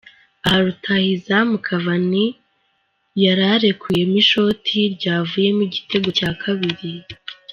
aha Rutahizamu Cavani yararekuyemo Ishoti ryavuyemo igitego cya kabiri